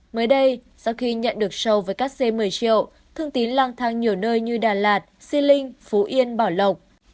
mới đây sau khi nhận được show với các c một mươi triệu thương tín lang thang nhiều nơi như đà lạt siêu linh phú yên bảo lộc